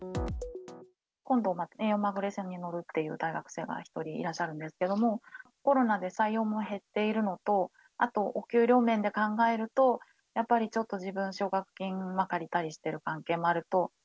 今度、遠洋マグロ船に乗るという大学生が１人いらっしゃるんですけども、コロナで採用も減っているのと、あとお給料面で考えると、やっぱりちょっと自分、奨学金借りたりしてる関係もあると。